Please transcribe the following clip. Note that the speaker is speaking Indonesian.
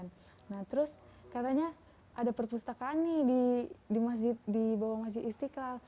nah terus katanya ada perpustakaan nih di bawah masjid istiqlal